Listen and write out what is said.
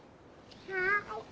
はい。